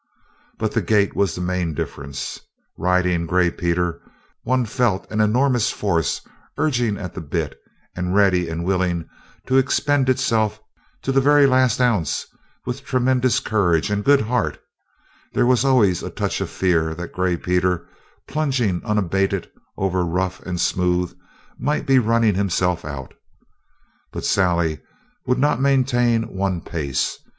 But the gait was the main difference. Riding Gray Peter, one felt an enormous force urging at the bit and ready and willing to expend itself to the very last ounce, with tremendous courage and good heart; there was always a touch of fear that Gray Peter, plunging unabated over rough and smooth, might be running himself out. But Sally would not maintain one pace.